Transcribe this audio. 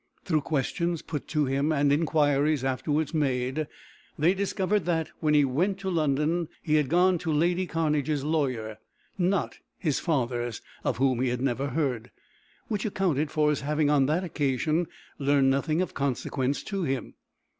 Through questions put to him, and inquiries afterward made, they discovered that, when he went to London, he had gone to lady Cairnedge's lawyer, not his father's, of whom he had never heard which accounted for his having on that occasion learned nothing of consequence to him.